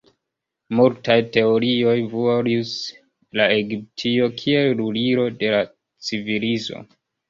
Multaj teorioj volus la Egiptio kiel lulilo de la civilizo.